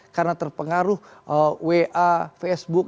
karena terpengaruh wa facebook